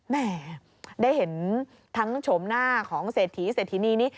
แม่ได้เห็นทั้งโฉมหน้าของเศรษฐีเศรษฐินีนี้